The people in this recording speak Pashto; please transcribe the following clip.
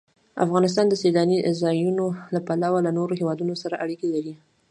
افغانستان د سیلانی ځایونه له پلوه له نورو هېوادونو سره اړیکې لري.